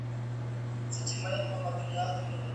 باد د حرکت له امله ایستل کېږي.